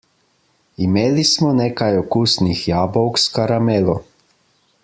Imeli smo nekaj okusnih jabolk s karamelo.